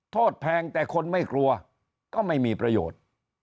แพงแต่คนไม่กลัวก็ไม่มีประโยชน์